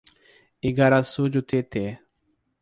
Igaraçu do Tietê